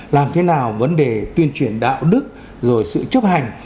làm thế nào vấn đề tuyên truyền đạo đức rồi sự chấp hành